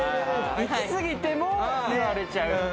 いきすぎても言われちゃう。